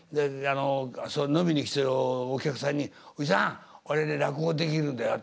それを飲みに来てるお客さんに「おじさん俺ね落語できるんだよ」